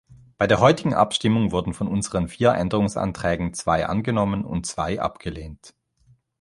Bei der heutigen Abstimmung wurden von unseren vier Änderungsanträgen zwei angenommen und zwei abgelehnt.